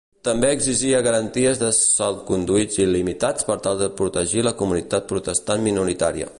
També exigia garanties de salconduits il·limitats per tal de protegir la comunitat protestant minoritària.